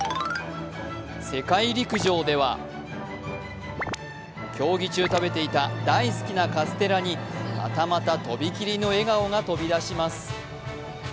世界陸上では競技中、食べていた大好きなカステラにまたまたとびきりの笑顔が飛び出します。